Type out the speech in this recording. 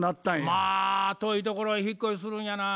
まあ遠いところへ引っ越しするんやなぁ。